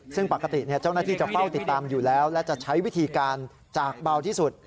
ซึ่งปกติเจ้าหน้าที่จะเฝ้าติดตามอยู่แล้วและจะใช้วิธีการจากเบาที่สุด